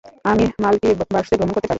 আমি মাল্টিভার্সে ভ্রমণ করতে পারি।